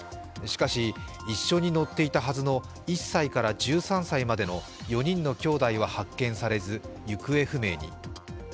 しかし、一緒に乗っていたはずの１歳から１３歳までの４人のきょうだいは発見されず、行方不明に。